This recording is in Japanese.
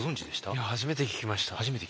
いや初めて聞きました。